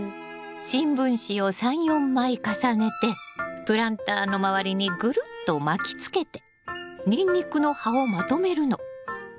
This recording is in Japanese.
新聞紙を３４枚重ねてプランターの周りにグルッと巻きつけてニンニクの葉をまとめるの。